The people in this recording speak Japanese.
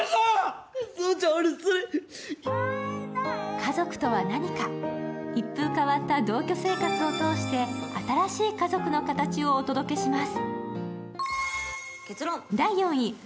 家族とは何か、一風変わった同居生活を通して新しい家族のカタチをお届けします。